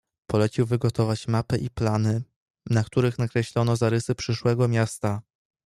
"Polecił wygotować mapy i plany, na których nakreślono zarysy przyszłego miasta."